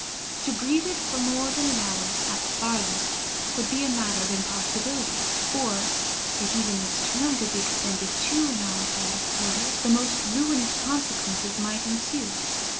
To breathe it for more than an hour, at the farthest, would be a matter of impossibility, or, if even this term could be extended to an hour and a quarter, the most ruinous consequences might ensue.